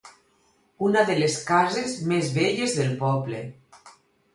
Una de les cases més velles del poble.